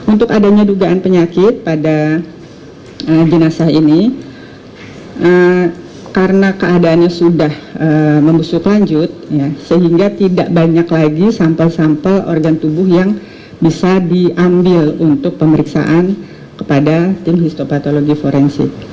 untuk adanya dugaan penyakit pada jenazah ini karena keadaannya sudah membusuk lanjut sehingga tidak banyak lagi sampel sampel organ tubuh yang bisa diambil untuk pemeriksaan kepada tim histopatologi forensik